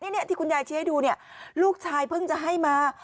นี่ที่คุณยายชี้ให้ดูเนี่ยลูกชายเพิ่งจะให้มา